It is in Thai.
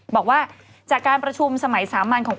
บอกว่าจากการประชุมสมัยสามัญของ